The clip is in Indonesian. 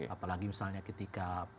apalagi misalnya ketika